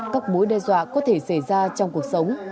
các mối đe dọa có thể xảy ra trong cuộc sống